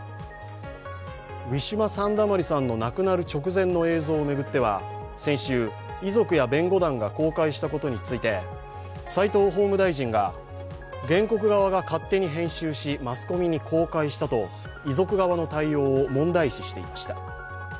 ウィシュマ・サンダマリさんの亡くなる直前の映像を巡っては、先週、遺族や弁護団が公開したことについて齋藤法務大臣が原告側が勝手に編集しマスコミに公開したと遺族側の対応を問題視していました。